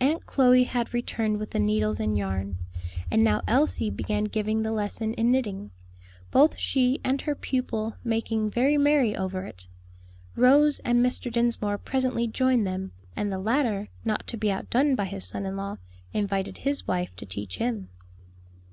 Aunt Chloe had returned with the needles and yarn, and now Elsie began giving the lesson in knitting, both she and her pupil making very merry over it. Rose and Mr. Dinsmore presently joined them, and the latter, not to be outdone by his son in law, invited his wife to teach him.